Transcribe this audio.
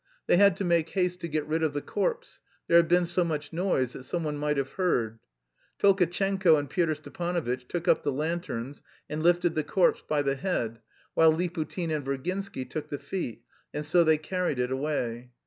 They had to make haste to get rid of the corpse: there had been so much noise that someone might have heard. Tolkatchenko and Pyotr Stepanovitch took up the lanterns and lifted the corpse by the head, while Liputin and Virginsky took the feet, and so they carried it away.